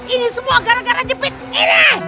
ini semua gara gara jepit